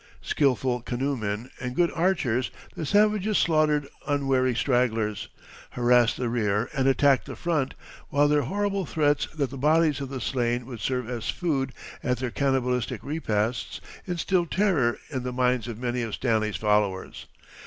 Skilful canoemen and good archers, the savages slaughtered unwary stragglers, harassed the rear and attacked the front, while their horrible threats that the bodies of the slain should serve as food at their cannibalistic repasts instilled terror in the minds of many of Stanley's followers.